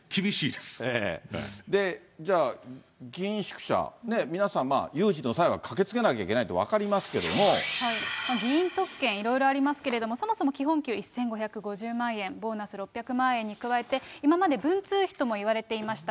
で、じゃあ議員宿舎、皆さん、有事の際は駆けつけなきゃいけな議員特権、いろいろありますけれども、そもそも基本給１５５０万円、ボーナス６００万円に加えて、今まで文通費ともいわれていました